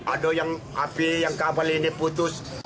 ada yang api yang kapal ini putus